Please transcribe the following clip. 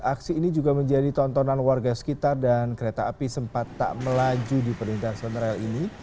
aksi ini juga menjadi tontonan warga sekitar dan kereta api sempat tak melaju di perlintasan rel ini